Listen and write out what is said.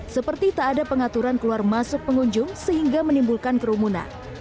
seperti tak ada pengaturan keluar masuk pengunjung sehingga menimbulkan kerumunan